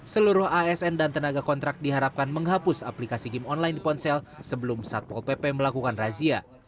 seluruh asn dan tenaga kontrak diharapkan menghapus aplikasi game online di ponsel sebelum satpol pp melakukan razia